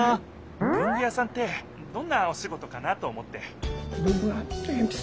文具屋さんってどんなおシゴトかなと思って。